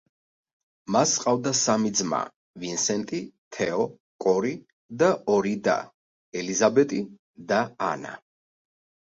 მას ჰყავდა სამი ძმა ვინსენტი, თეო, კორი და ორი და ელიზაბეტი და ანა.